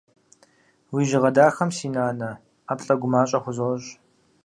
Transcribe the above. Уи жьыгъэ дахэм, си нанэ, ӏэплӏэ гумащӏэ хузощӏ.